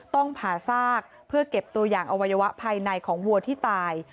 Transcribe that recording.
ต้องผ่าซากเพื่อเก็บตัวอย่างอวัยวะภายในของวัวที่ตาย